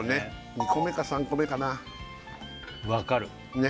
２個目か３個目かなわかる